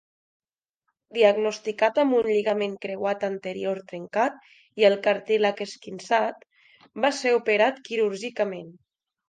Diagnosticat amb un lligament creuat anterior trencat i el cartílag esquinçat, va ser operat quirúrgicament.